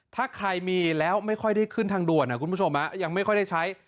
ถ้าใครมีแล้วไม่ค่อยได้ขึ้นทางด่วนคุณผู้ชมยังไม่ค่อยได้ใช้